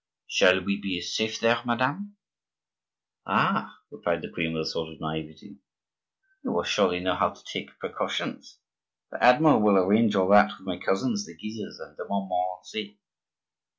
"Shall we be safe there, madame?" asked Chaudieu. "Ah!" replied the queen, with a sort of naivete, "you will surely know how to take precautions. The Admiral will arrange all that with my cousins the Guises and de Montmorency."